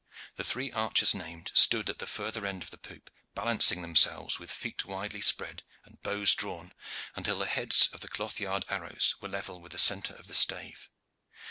The three archers named stood at the further end of the poop, balancing themselves with feet widely spread and bows drawn, until the heads of the cloth yard arrows were level with the centre of the stave.